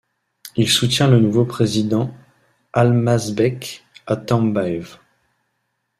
Il soutient le nouveau président Almazbek Atambaev.